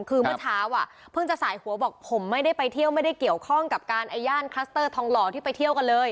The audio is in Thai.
คือเมื่อเช้าอ่ะเพิ่งจะสายหัวบอกผมไม่ได้ไปเที่ยวไม่ได้เกี่ยวข้องกับการย่านคลัสเตอร์ทองหล่อที่ไปเที่ยวกันเลย